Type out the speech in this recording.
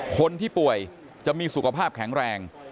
คนที่ป่วยจะมีสุขภาพแข็งแรง